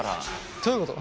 どういうこと？